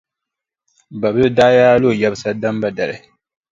Babila daa yaa lo yɛbisa Damba dali.